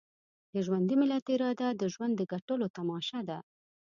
د ژوندي ملت اراده د ژوند د ګټلو تماشه ده.